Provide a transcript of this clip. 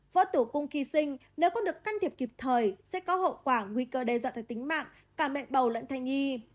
vỡ tủ cung khi sinh nếu không được can thiệp kịp thời sẽ có hậu quả nguy cơ đe dọa tới tính mạng cả mẹ bầu lẫn thai nhi